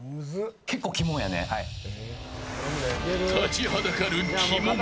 立ちはだかる鬼門。